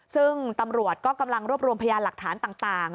ซึ่งตำรวจก็กำลังรวบรวมพยานหลักฐานต่าง